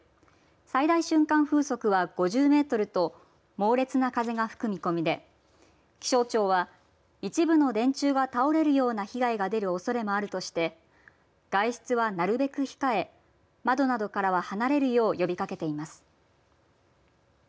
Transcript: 最大瞬間風速は５０メートルと猛烈な風が吹く見込みで気象庁は一部の電柱が倒れるような被害が出るおそれもあるとして外出は、なるべく控え窓などからは離れるよう呼びかけています。